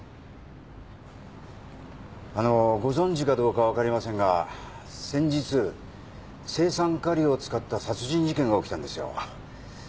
あのご存じかどうかわかりませんが先日青酸カリを使った殺人事件が起きたんですよ。